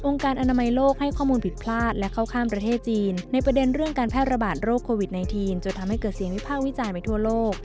การอนามัยโลกให้ข้อมูลผิดพลาดและเข้าข้ามประเทศจีนในประเด็นเรื่องการแพร่ระบาดโรคโควิด๑๙จนทำให้เกิดเสียงวิพากษ์วิจารณ์ไปทั่วโลก